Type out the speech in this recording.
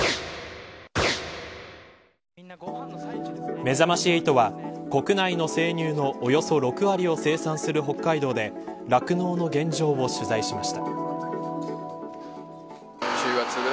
めざまし８は、国内の生乳のおよそ６割を生産する北海道で酪農の現状を取材しました。